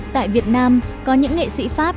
tại việt nam có những nghệ sĩ pháp